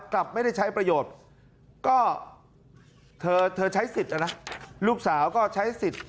กลับไม่ได้ใช้ประโยชน์ก็เธอเธอใช้สิทธิ์นะนะลูกสาวก็ใช้สิทธิ์